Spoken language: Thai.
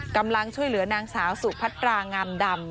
กำลังช่วยเหลือนางสาวสุพัตรางามดำ